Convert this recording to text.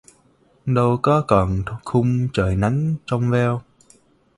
Đâu có còn khung trời nắng trong veo